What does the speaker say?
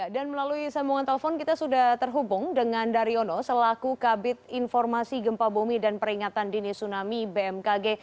melalui sambungan telepon kita sudah terhubung dengan daryono selaku kabit informasi gempa bumi dan peringatan dini tsunami bmkg